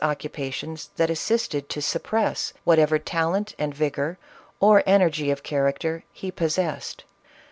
895 occupations that assisted to suppress whatever talent and vigor, or energy of character, he possessed.